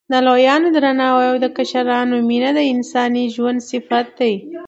د لویانو درناوی او د کشرانو مینه د انساني ژوند صفت دی.